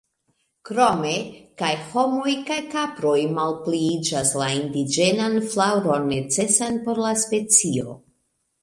Krome kaj homoj kaj kaproj malpliiĝas la indiĝenan flaŭron necesan por la specio.